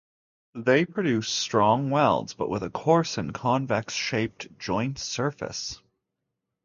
They produce strong welds, but with a coarse and convex-shaped joint surface.